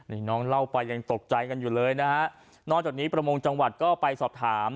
นี่น้องเล่าไปยังตกใจกันอยู่เลยนะฮะนอกจากนี้ประมงจังหวัดก็ไปสอบถาม